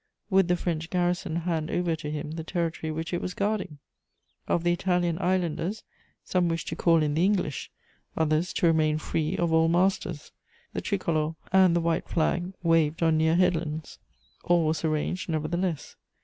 Would the French garrison hand over to him the territory which it was guarding? Of the Italian islanders, some wished to call in the English, others to remain free of all masters; the Tricolour and the White Flag waved on near headlands. All was arranged nevertheless.